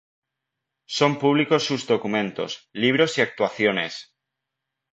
Son públicos sus documentos, libros y actuaciones.